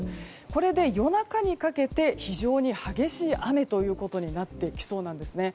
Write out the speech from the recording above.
これで夜中にかけて非常に激しい雨となってきそうです。